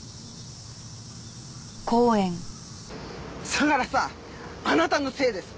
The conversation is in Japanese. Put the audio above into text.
相良さんあなたのせいです！